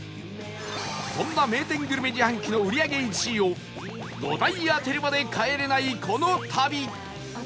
そんな名店グルメ自販機の売り上げ１位を５台当てるまで帰れないこの旅